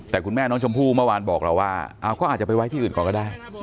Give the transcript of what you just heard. แต่คุณแม่น้องชมพู่เมื่อวานบอกเราว่าก็อาจจะไปไว้ที่อื่นก่อนก็ได้